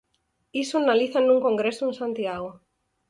Iso analizan nun congreso en Santiago.